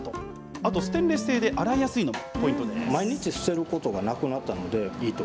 あと、ステンレス製で洗いやすいのもポイントです。